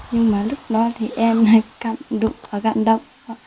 nhưng mà lúc đó thì em lại cảm động và gặn động